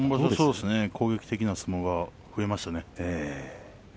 攻撃的な相撲が増えました。